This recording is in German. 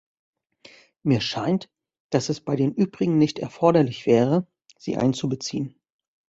Mir scheint, dass es bei den übrigen nicht erforderlich wäre, sie einzubeziehen.